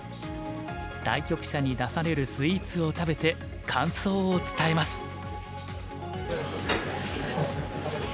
対局者に出されるスイーツを食べて感想を伝えます。